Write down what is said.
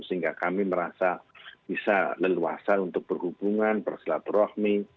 sehingga kami merasa bisa leluasa untuk berhubungan bersilaturahmi